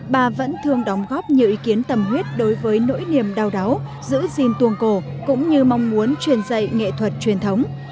bà vẫn thường đóng góp nhiều ý kiến tầm huyết đối với nỗi niềm đau đáu giữ gìn tuồng cổ cũng như mong muốn truyền dạy nghệ thuật truyền thống